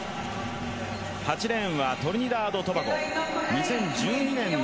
８レーンはトリニダード・トバゴ。